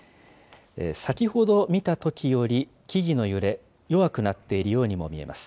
先ほど見たときより木々の揺れ、弱くなっているようにも見えます。